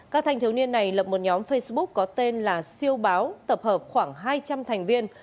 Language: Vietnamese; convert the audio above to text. các thanh thiếu niên này lập một nhóm facebook có tên là siêu báo tập hợp khoảng hai trăm linh thành viên